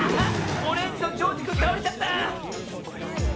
オレンジのジョージくんたおれちゃった！